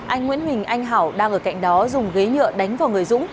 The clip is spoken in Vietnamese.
anh nguyễn huỳnh anh hảo đang ở cạnh đó dùng ghế nhựa đánh vào người dũng